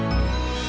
gue sama bapaknya